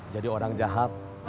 jadi orang jahat